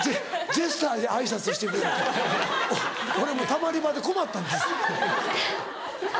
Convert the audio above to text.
俺もたまり場で困ったんです。